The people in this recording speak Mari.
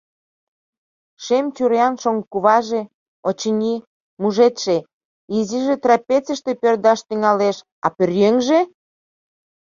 Шем чуриян шоҥго куваже, очыни, мужедше; изиже трапецийыште пӧрдаш тӱҥалеш, а пӧръеҥже?